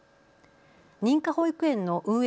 認可保育園の運営